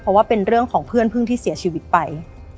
เพราะว่าเป็นเรื่องของเพื่อนพึ่งที่เสียชีวิตไป